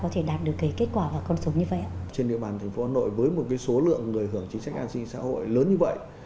trên địa bàn thành phố hà nội với một số lượng người hưởng chính sách an sinh xã hội lớn như vậy